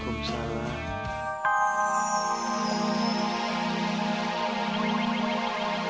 terima kasih tahan aku besides